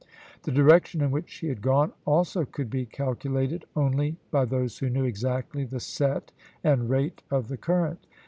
The direction in which she had gone also could be calculated only by those who knew exactly the set and rate of the current.